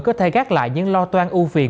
có thể gác lại những lo toan ưu phiền